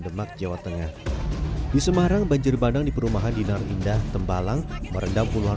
demak jawa tengah di semarang banjir bandang di perumahan dinar indah tembalang merendam puluhan